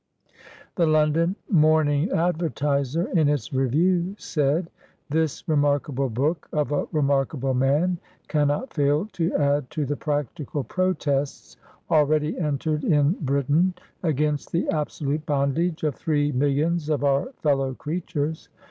The London AN AMERICAN BONDMAN. 83 Morning Advertiser , in its review, said: — "This remarkable book of a remarkable man cannot fail to add to the practical protests already entered in Britain against the absolute bondage of three millions of our fellow creatures.